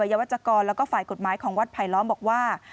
วัยวจกรและฝ่ายกฎหมายของวัดภัยล้อมบอกว่า